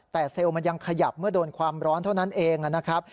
แต่เซลล์มันยังขยับเมื่อโดนความร้อนเท่านั้นเองนะครับ